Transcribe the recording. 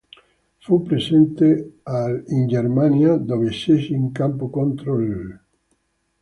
Fu presente al in Germania, dove scese in campo contro l'.